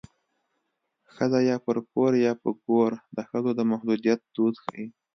ښځه یا پر کور یا په ګور د ښځو د محدودیت دود ښيي